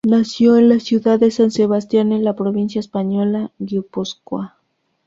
Nació en la ciudad de San Sebastián en la provincia española de Guipúzcoa.